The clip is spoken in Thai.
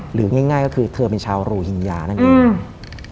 หรือง่ายก็คือที่เธอเป็นชาวรูหินยานั่นนี่